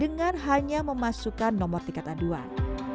dengan hanya memasukkan nomor tiket aduan